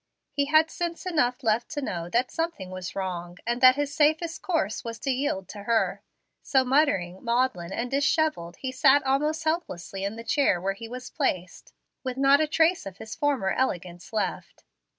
He had sense enough left to know that something was wrong, and that his safest course was to yield to her. So, muttering, maudlin, and dishevelled, he sat almost helplessly in the chair where he was placed, with not a trace of his former elegance left.